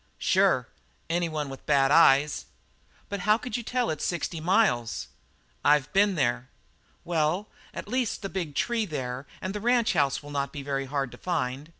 "Sure; any one with bad eyes." "But how can you tell it's sixty miles?" "I've been there." "Well, at least the big tree there and the ranchhouse will not be very hard to find.